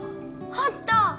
あった！